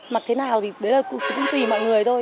mặc thế nào thì đấy là cũng vì mọi người thôi